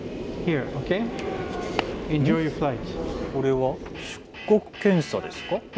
これは出国検査ですか？